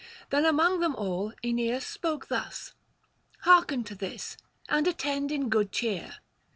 Then among them all Aeneas spoke thus: 'Hearken to this, and attend in good cheer.